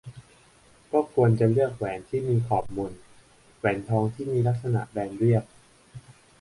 ก็ควรจะเลือกแหวนที่มีขอบมน แหวนทองที่มีลักษณะแบนเรียบ